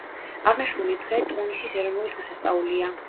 აღნიშნული დღე ტუნისის ეროვნული დღესასწაულია.